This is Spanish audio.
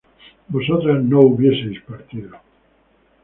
vosotras no hubieseis partido